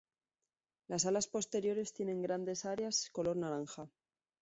Las alas posteriores tienen grandes áreas color naranja.